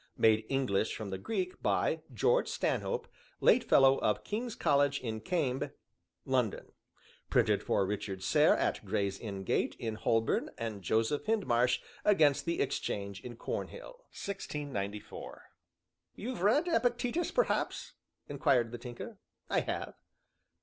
Made English from the Greek By George Stanhope, late Fellow Of King's College in Camb. LONDON Printed for Richard Sare at Gray's Inn Gate in Holborn And Joseph Hindmarsh against the Exchange in Cornhill. 1649. "You've read Epictetus, perhaps?" inquired the Tinker. "I have."